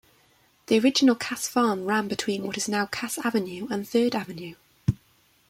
The original Cass Farm ran between what is now Cass Avenue and Third Avenue.